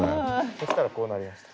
そしたらこうなりました。